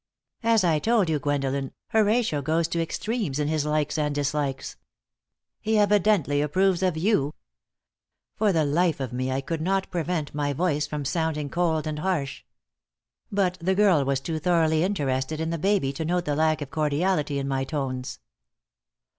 "As I told you, Gwendolen, Horatio goes to extremes in his likes and dislikes. He evidently approves of you." For the life of me, I could not prevent my voice from sounding cold and harsh. But the girl was too thoroughly interested in the baby to note the lack of cordiality in my tones.